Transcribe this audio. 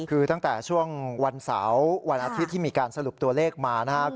คือตั้งแต่ช่วงวันเสาร์วันอาทิตย์ที่มีการสรุปตัวเลขมานะครับ